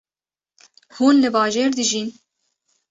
Hûn li bajêr dijîn